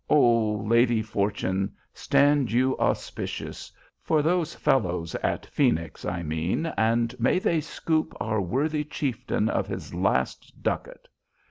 "'O Lady Fortune, stand you auspicious', for those fellows at Phoenix, I mean, and may they scoop our worthy chieftain of his last ducat.